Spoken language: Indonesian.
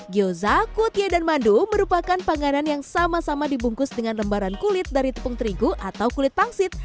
gyoza kutie dan mandu merupakan panganan yang sama sama dibungkus dengan lembaran kulit dari tepung terigu atau kulit pangsit